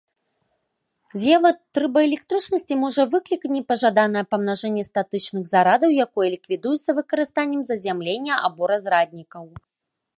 З'ява трыбаэлектрычнасці можа выклікаць непажаданае памнажэнне статычных зарадаў, якое ліквідуецца выкарыстаннем зазямлення або разраднікаў.